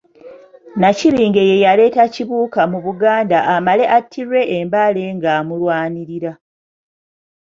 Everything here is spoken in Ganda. Nnakibinge ye yaleeta Kibuka mu Buganda amale attirwe e Mbale ng'amulwanirira.